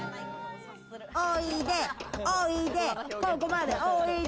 おいで、おいで、ここまでおいで。